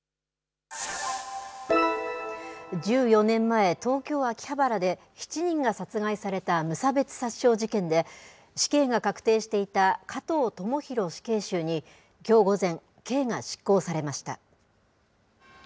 １４年前、東京・秋葉原で７人が殺害された無差別殺傷事件で、死刑が確定していた加藤智大死刑囚に、きょう午前、刑が執行されました。